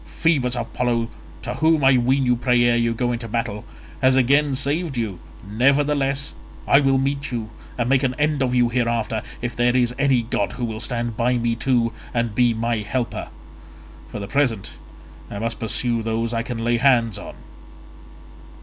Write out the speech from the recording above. Phoebus Apollo, to whom I ween you pray ere you go into battle, has again saved you, nevertheless I will meet you and make an end of you hereafter, if there is any god who will stand by me too and be my helper. For the present I must pursue those I can lay hands on."